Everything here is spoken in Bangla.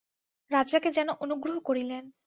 রাজাকে যেন অনুগ্রহ করিলেন।